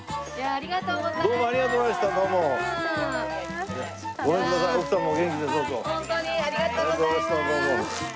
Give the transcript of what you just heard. ありがとうございます。